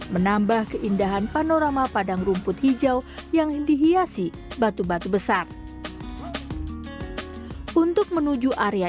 menambah keindahan panorama padang rumput hijau yang dihiasi batu batu besar untuk menuju area